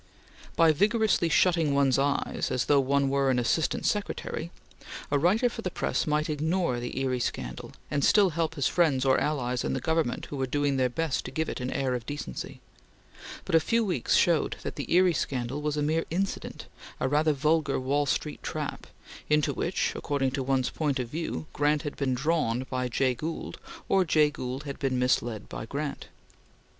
By vigorously shutting one's eyes, as though one were an Assistant Secretary, a writer for the press might ignore the Erie scandal, and still help his friends or allies in the Government who were doing their best to give it an air of decency; but a few weeks showed that the Erie scandal was a mere incident, a rather vulgar Wall Street trap, into which, according to one's point of view Grant had been drawn by Jay Gould, or Jay Gould had been misled by Grant.